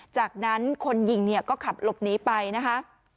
จากนั้นคนยิงเนี่ยก็ขับหลบหนีไปนะคะ